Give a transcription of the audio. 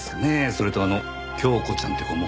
それとあの杏子ちゃんって子も。